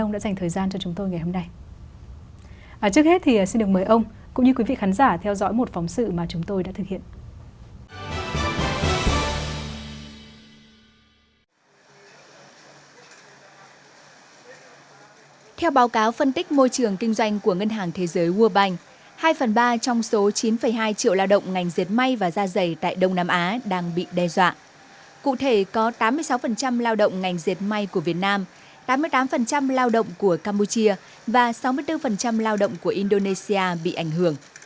tám lao động của campuchia và sáu mươi bốn lao động của indonesia bị ảnh hưởng